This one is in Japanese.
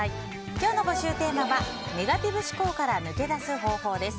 今日の募集テーマはネガティブ思考から抜け出す方法です。